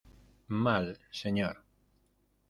mal, señor.